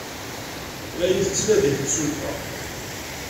La iyi-tettnadi temsulta.